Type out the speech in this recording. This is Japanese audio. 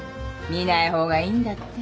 見ない方がいいんだって。